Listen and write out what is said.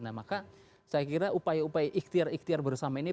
nah maka saya kira upaya upaya ikhtiar ikhtiar bersama ini